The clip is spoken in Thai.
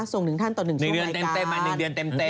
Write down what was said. ส่ง๑ท่านต่อ๑ชั่วรายการ